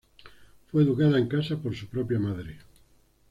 Fue educada en casa por su propia madre.